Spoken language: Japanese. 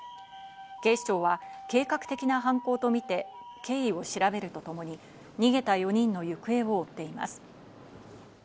警視庁は計画的な犯行とみて経緯を調べるとともに逃げた４人の行方を追っています。